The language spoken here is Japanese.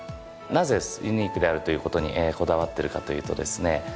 なぜユニークであるということにこだわってるかというとですね